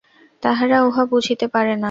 তাহারা উহা বুঝিতে পারে না।